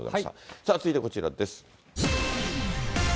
さあ、続いてこちらです。